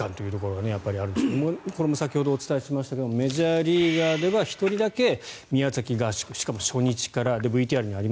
一体感というところがあるんでしょうけどこれも先ほどお伝えしましたがメジャーリーガーでは１人だけ宮崎合宿、しかも初日から。